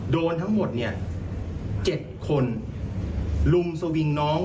โดนทั้งหมด๗คนลุมสวิงน้อง